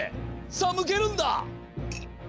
さあむけるんだ！